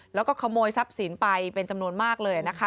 แล้วก็ขโมยทรัพย์สินไปเป็นจำนวนมากเลยนะคะ